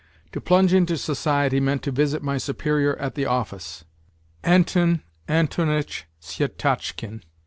To plunge into society meant to visit my superior at the office, Anton Antonitch Syetotchkin.